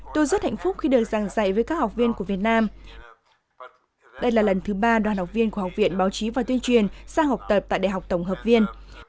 tôi rất hạnh phúc khi được giảng dạy với các học viên của việt nam đây là lần thứ ba đoàn học viên của học viện báo chí và tuyên truyền sang học tập tại đại học tổng hợp viên